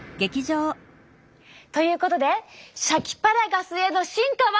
ということでシャキパラガスへの進化は。